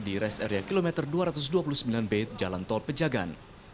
di res area kilometer dua ratus dua puluh sembilan b jalan tol pejagan